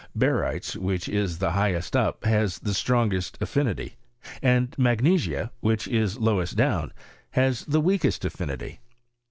Barytes, which is highest up, has the strongest affinity, and magnesia, which is lowest down, has the weakest affinity.